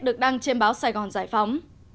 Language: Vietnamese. được đăng trên báo sài gòn giải phóng